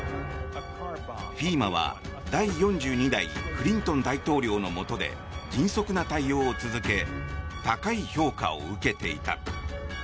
ＦＥＭＡは、第４２代クリントン大統領のもとで迅速な対応を続け高い評価を受けていた。